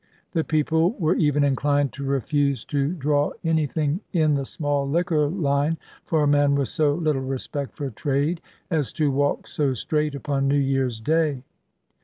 The people were even inclined to refuse to draw anything in the small liquor line for a man with so little respect for trade as to walk so straight upon New Year's Day.